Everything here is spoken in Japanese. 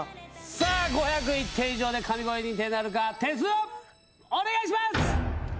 さあ５０１点以上で神声認定なるか、点数をお願いします！